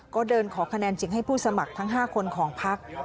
ก็เดินขอคะแนนจริงให้ผู้สมัครทั้ง๕คนของพัก